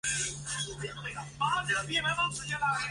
以下的列表列出北朝所有的藩王。